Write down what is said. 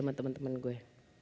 sama temen temen gue